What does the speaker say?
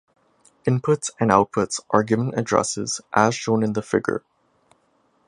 Inputs and outputs are given addresses as shown in the figure.